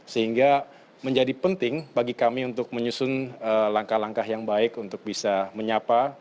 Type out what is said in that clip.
sehingga menjadi penting bagi kami untuk menyusun langkah langkah yang baik untuk bisa menyapa